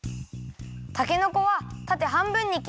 たけのこはたてはんぶんにきったら。